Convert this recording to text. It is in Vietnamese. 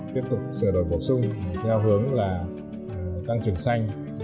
tiếp tục sửa đổi bổ sung theo hướng là tăng trưởng xanh